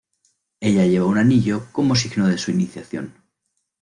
Ella lleva un anillo como signo de su iniciación.